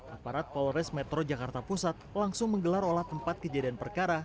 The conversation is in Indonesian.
aparat polres metro jakarta pusat langsung menggelar olah tempat kejadian perkara